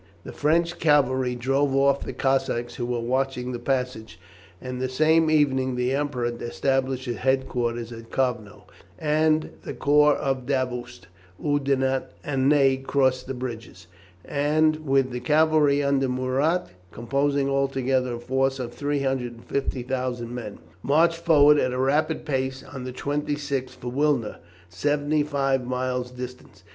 The French cavalry drove off the Cossacks who were watching the passage, and the same evening the Emperor established his headquarters at Kovno, and the corps of Davoust, Oudinot, and Ney crossed the bridges, and with the cavalry under Murat, composing altogether a force of 350,000 men, marched forward at a rapid pace on the 26th for Wilna, seventy five miles distant.